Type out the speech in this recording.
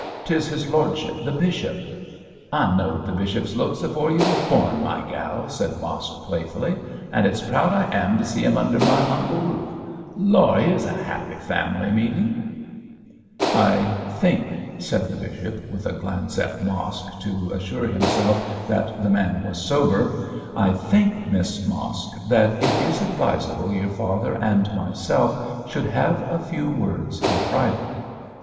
'tis his lordship, the bishop.' 'I know'd the bishop's looks afore you was born, my gal,' said Mosk, playfully, 'and it's proud I am to see 'im under m' umble roof. Lor'! 'ere's a 'appy family meeting.' 'I think,' said the bishop, with a glance at Mosk to assure himself that the man was sober 'I think, Miss Mosk, that it is advisable your father and myself should have a few words in private.'